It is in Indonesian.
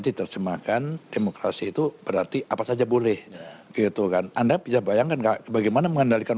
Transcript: diterjemahkan demokrasi itu berarti apa saja boleh gitu kan anda bisa bayangkan enggak bagaimana mengendalikan